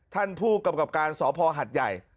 ท่านผู้กำกับการสพหัดใหญ่